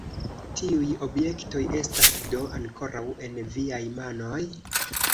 Tiuj objektoj estas do ankoraŭ en viaj manoj?